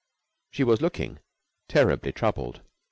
She was looking terribly troubled.